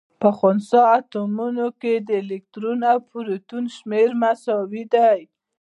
په خنثا اتومونو کي د الکترون او پروتون شمېر مساوي. دی